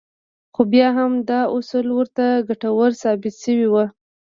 خو بيا هم دا اصول ورته ګټور ثابت شوي وو.